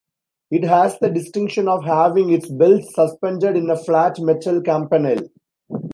It has the distinction of having its bells suspended in a flat metal campanile.